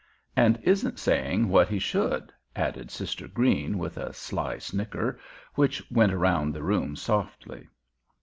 "And isn't saying what he should," added Sister Green, with a sly snicker, which went around the room softly.